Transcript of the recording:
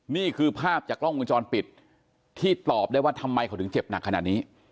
นี่คือภาพจากกล้องวงจรปิดที่ตอบได้ว่าทำไมเขาถึงเจ็บหนักขนาดนี้